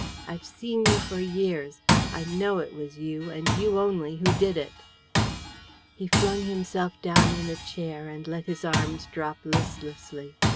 I've seen you for years. I KNOW it was you, and you only, who did it!" He flung himself down in a chair, and let his arms drop listlessly.